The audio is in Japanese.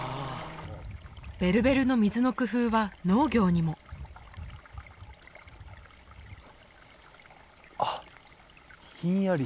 ベルベルの水の工夫は農業にもあっひんやり